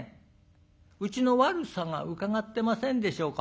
うちのわるさが伺ってませんでしょうか？」。